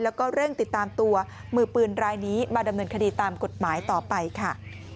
แล้วก็เร่งติดตามตัวมือปืนรายนี้มาดำเนินคดีตามกฎหมายต่อไปค่ะ